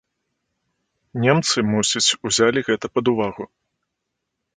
Немцы, мусіць, узялі гэта пад увагу.